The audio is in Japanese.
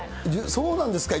そうなんですか。